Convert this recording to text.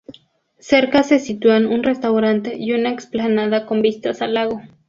Cerca se sitúan un restaurante y una explanada con vistas al lago.